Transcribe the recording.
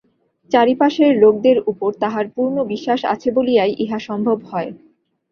চারি পাশের লোকদের উপর তাঁহার পূর্ণ বিশ্বাস আছে বলিয়াই ইহা সম্ভব হয়।